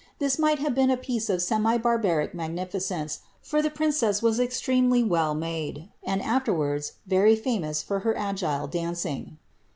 This might have been a piece of semi barbarian magnificence, for the princess was extremely well made, and was afterwards very famous for her agile dancing.